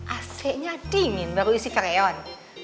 ac nya dingin baru isi karyawan